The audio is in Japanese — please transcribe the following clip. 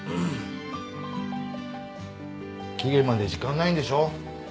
期限まで時間ないんでしょ？